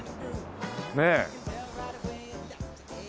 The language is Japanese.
ねえ。